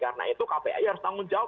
karena itu kpi harus tanggung jawab